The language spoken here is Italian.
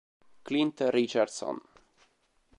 Clint Richardson